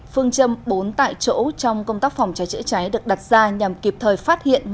phương châm bốn tại chỗ trong công tác phòng cháy chữa cháy được đặt ra nhằm kịp thời phát hiện